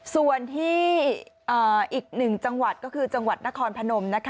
ส่วนที่อีกหนึ่งจังหวัดก็คือจังหวัดนครพนมนะคะ